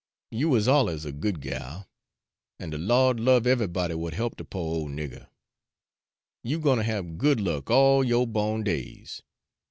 You wuz alluz a good gal, and de Lawd love eve'ybody w'at he'p de po' ole nigger. You gwine ter hab good luck all yo' bawn days."